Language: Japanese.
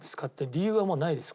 理由はもうないです。